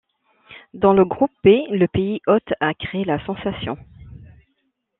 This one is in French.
Dans le groupe B, le pays hôte a créé la sensation.